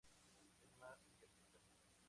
Es más idealista.